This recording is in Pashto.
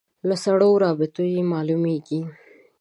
له سړو رابطو یې معلومېږي.